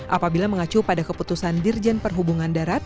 apabila mengacu pada keputusan dirjen perhubungan darat